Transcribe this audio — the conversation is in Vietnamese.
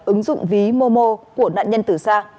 ứng dụng ví momo của nạn nhân tử xa